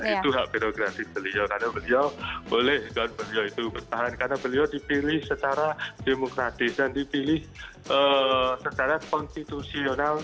itu hak birokrasi beliau karena beliau boleh dan beliau itu bertahan karena beliau dipilih secara demokratis dan dipilih secara konstitusional